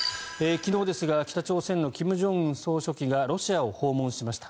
昨日ですが北朝鮮の金正恩総書記がロシアを訪問しました。